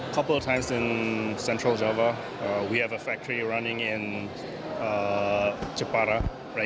kami berinvestasi lebih banyak di regensi pati